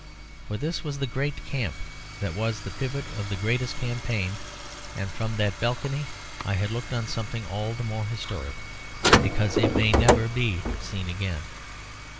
For this was the great camp that was the pivot of the greatest campaign; and from that balcony I had looked on something all the more historic because it may never be seen again.